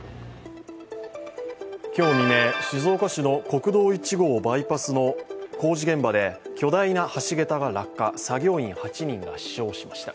今日未明、静岡市の国道１号バイパスの工事現場で巨大な橋桁が落下、作業員８人が死傷しました。